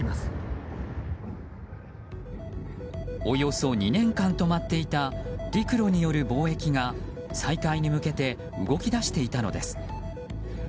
およそ２年間止まっていた陸路による貿易が再開に向けて動き出していたのです。